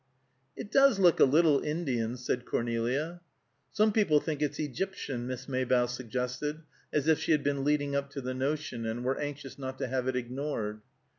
"It does look a little Indian," said Cornelia. "Some people think it's Egyptian," Miss Maybough suggested, as if she had been leading up to the notion, and were anxious not to have it ignored.